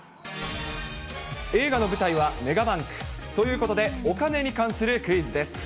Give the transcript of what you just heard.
映画の舞台はメガバンク。ということで、お金に関するクイズです。